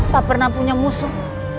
tak pernah punya musuh